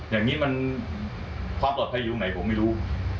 อย่างนี้มันความปลอดภัยอยู่ตรงไหนผมไม่รู้